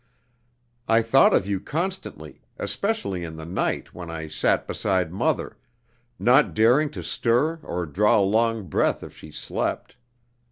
I thought of you constantly, especially in the night when I sat beside mother, not daring to stir or draw a long breath if she slept.